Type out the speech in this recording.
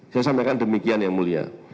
saya sampaikan demikian yang mulia